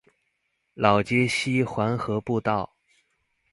老街溪環河步道